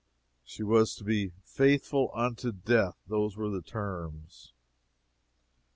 She was to "be faithful unto death" those were the terms.